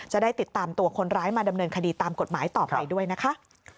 จะได้ติดตามตัวคนร้ายมาดำเนินคดีตามกฎหมายต่อไปด้วยนะคะ